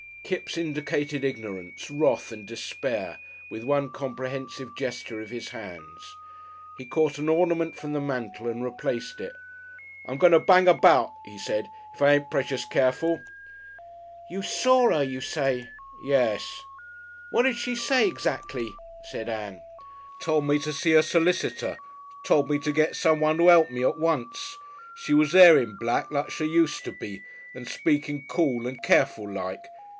Kipps indicated ignorance, wrath and despair with one comprehensive gesture of his hands. He caught an ornament from the mantel and replaced it. "I'm going to bang about," he said, "if I ain't precious careful." "You saw 'er, you say?" "Yes." "What did she say 'xactly?" said Ann. "Told me to see a s'licitor tole me to get someone to 'elp me at once. She was there in black like she used to be and speaking cool and careful like.